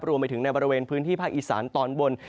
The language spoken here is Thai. รวมไปถึงในบริเวณพื้นที่ภาคอีสานตอนบน